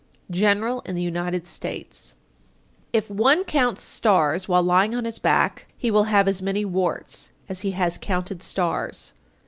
General in the United States. 875. If one counts stars while lying on his back, he will have as many warts as he has counted stars.